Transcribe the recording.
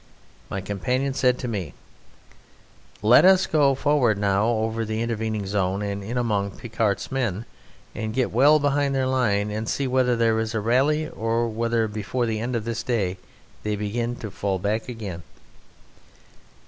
My companion said to me: "Let us go forward now over the intervening zone and in among Picquart's men, and get well behind their line, and see whether there is a rally or whether before the end of this day they begin to fall back again."